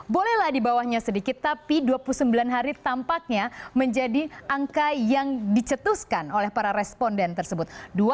bolehlah di bawahnya sedikit tapi dua puluh sembilan hari tampaknya menjadi angka yang dicetuskan oleh para responden tersebut